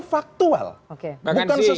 faktual bukan sesuatu yang